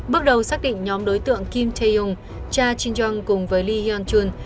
bước đầu xác định nhóm đối tượng kim tae yong cha chin jung cùng với lee hyun chun